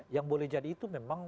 yang boleh jadi itu memang